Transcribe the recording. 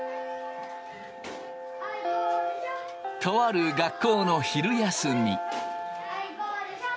とある学校の昼休み。